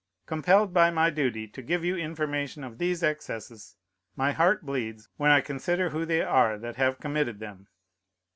Compelled by my duty to give you information of these excesses, my heart bleeds, when I consider who they are that have committed them.